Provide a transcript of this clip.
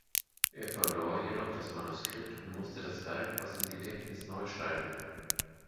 Er verlor jedoch das Manuskript und musste das Werk aus dem Gedächtnis neu schreiben.